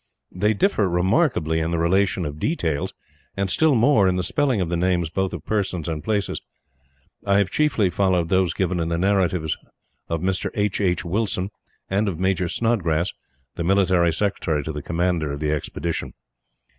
They differ remarkably in the relation of details, and still more in the spelling of the names both of persons and places. I have chiefly followed those given in the narratives of Mr. H. H. Wilson, and of Major Snodgrass, the military secretary to the commander of the expedition.